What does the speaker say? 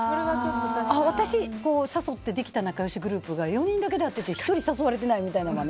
私、誘ってできた仲良しグループが私以外で会ってて１人誘われてないみたいな。